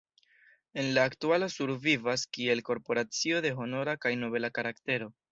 En la aktualo survivas kiel korporacio de honora kaj nobela karaktero.